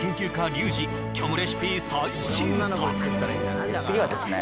リュウジ虚無レシピ最新作次はですね